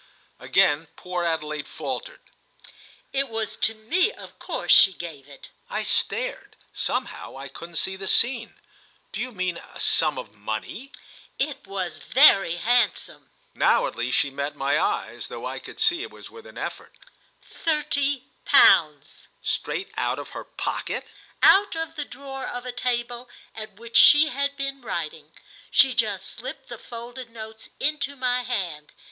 Again poor Adelaide faltered. "It was to me of course she gave it." I stared; somehow I couldn't see the scene. "Do you mean a sum of money?" "It was very handsome." Now at last she met my eyes, though I could see it was with an effort. "Thirty pounds." "Straight out of her pocket?" "Out of the drawer of a table at which she had been writing. She just slipped the folded notes into my hand.